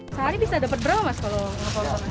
sehari bisa dapat berapa mas kalau ngepotong